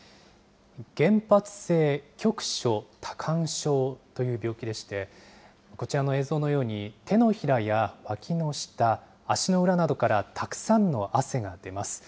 原発性局所多汗症という病気でして、こちらの映像のように、手のひらやわきの下、足の裏などからたくさんの汗が出ます。